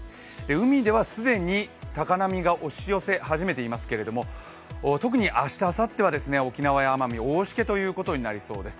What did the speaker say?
海では既に高波が押し寄せ始めていますけれども、特に明日、あさっては沖縄・奄美、大しけということになりそうです。